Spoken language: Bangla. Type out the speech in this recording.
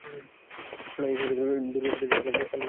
নারী ও শিশুদেরকে দূর্গ সদৃশ স্থানে স্থানে স্থানান্তর করা হতে থাকে।